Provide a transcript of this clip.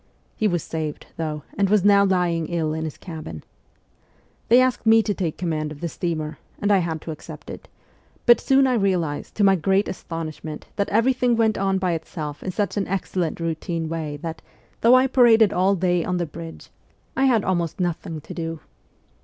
He was saved, though, and was now lying ill in his cabin. They asked me to take the command of the steamer, and I had to accept it ; but soon I realized, to my great astonishment, that everything went on by itself in such an excellent routine way that, though I paraded all day on the bridge, I had almost VOL. I. Q 226 MEMOIRS OF A REVOLUTIONIST nothing to do.